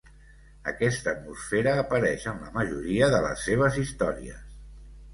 Aquesta atmosfera apareix en la majoria de les seves històries.